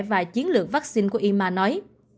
và chiến lược vắc xin của ima nói